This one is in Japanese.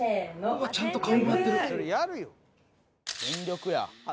うわっちゃんと顔もやってる！